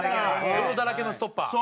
泥だらけのストッパー。